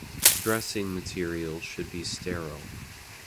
Dressing material should be sterile.